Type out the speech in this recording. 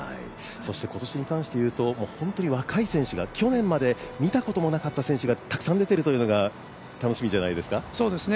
そして、今年に関していうと本当に若い選手が、去年まで見たこともなかった選手がたくさん出ているのが楽しみじゃないですか？